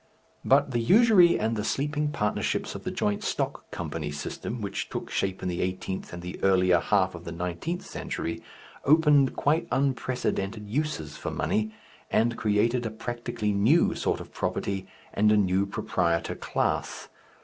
But the usury and the sleeping partnerships of the Joint Stock Company system which took shape in the eighteenth and the earlier half of the nineteenth century opened quite unprecedented uses for money, and created a practically new sort of property and a new proprietor class.